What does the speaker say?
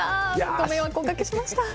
ご迷惑をお掛けしました。